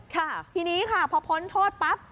ค่ะทีนี้ค่ะพอพ้นโทษปั๊บ